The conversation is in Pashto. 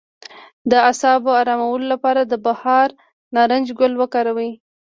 د اعصابو ارامولو لپاره د بهار نارنج ګل وکاروئ